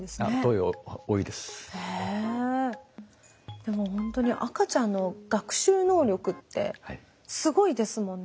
でもほんとに赤ちゃんの学習能力ってすごいですもんね。